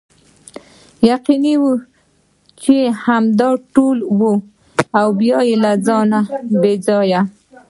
یقیني وه چې همدا ټوله وه او بیا له ځانه بې ځایه.